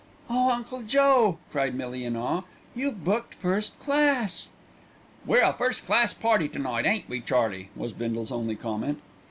"Oh, Uncle Joe!" cried Millie in awe, "you've booked first class." "We're a first class party to night, ain't we, Charlie?" was Bindle's only comment.